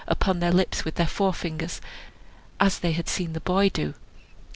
upon their lips with their fingers, as they had seen the boy do.